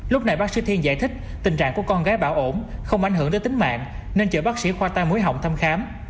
lúc này bác sĩ thiên giải thích tình trạng của con gái bảo ổn không ảnh hưởng đến tính mạng nên chở bác sĩ khoa tai mũi họng thăm khám